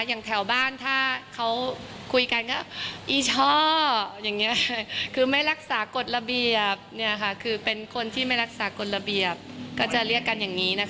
แถวบ้านถ้าเขาคุยกันก็อีช่ออย่างนี้คือไม่รักษากฎระเบียบคือเป็นคนที่ไม่รักษากฎระเบียบก็จะเรียกกันอย่างนี้นะคะ